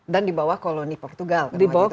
dan di bawah koloni portugal